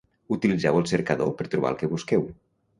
Utilitzeu el cercador per trobar el que busqueu.